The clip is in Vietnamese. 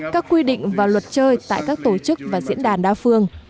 các quy định và luật chơi tại các tổ chức và diễn đàn đa phương